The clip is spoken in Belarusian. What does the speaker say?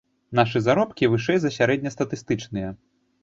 Нашы заробкі вышэй за сярэднестатыстычныя.